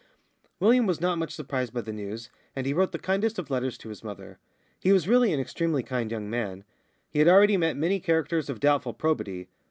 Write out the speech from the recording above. William was not much surprised by the news, and he wrote the kindest of letters to his mother. He was really an extremely kind young man. He had already met many characters of doubtful probity.